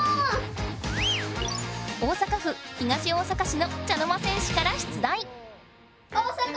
大阪府東大阪市の茶の間戦士から出題。